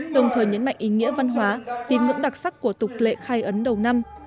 đồng thời nhấn mạnh ý nghĩa văn hóa tìm ngưỡng đặc sắc của tục lễ khai ấn đầu năm